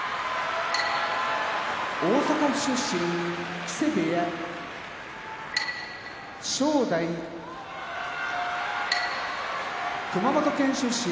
大阪府出身木瀬部屋正代熊本県出身